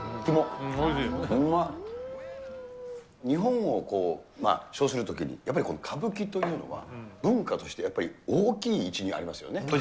日本を称するときに、やっぱりこの歌舞伎というのは、文化としてやっぱり大きい位置にありますよね。